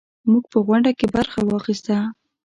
موږ په غونډه کې برخه واخیسته.